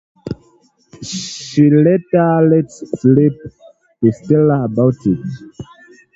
She later lets slip to Stella about it.